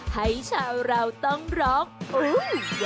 ให้ชาวเราต้องรักโอ้ววววววววววววววววววว